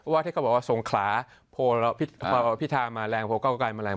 ที่เขาบอกว่าสงขลาโพพิธามาแรงโพลเก้าไกลมาแรง